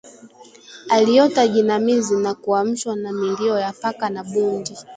Aliota jinamizi na kuamshwa na milio ya paka na bundi